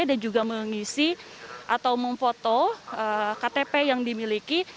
dan juga mengisi atau memfoto ktp yang dimiliki